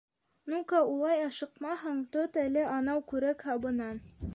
Ну-ка, улай ашыҡмаһаң, тот әле анау күрек һабынан.